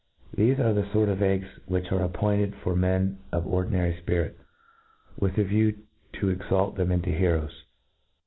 . Thefc are the fort of eggs which are appointed for mcxji of ordinary fpirit, with a view to exalt them into heroes.